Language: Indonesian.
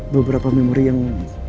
beberapa memori yang